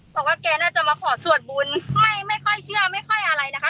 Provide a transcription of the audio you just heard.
บอกว่าแกน่าจะมาขอสวดบุญไม่ไม่ค่อยเชื่อไม่ค่อยอะไรนะคะ